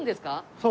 そう。